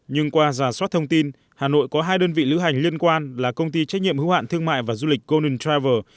nhưng qua giả soát thông tin hà nội có hai đơn vị lữ hành liên quan là công ty trách nhiệm hữu hạn thương mại và du lịch golden travel